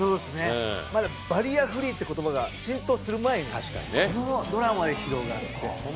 まだバリアフリーという言葉が浸透する前にこのドラマで広がって。